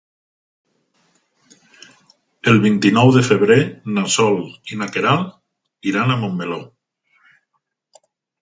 El vint-i-nou de febrer na Sol i na Queralt iran a Montmeló.